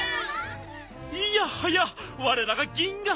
いやはやわれらが銀河フジが。